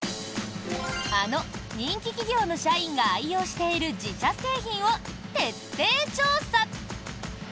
あの人気企業の社員が愛用している自社製品を徹底調査！